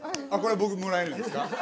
これ僕もらえるんですか？